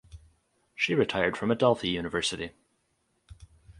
She retired from Adelphi University.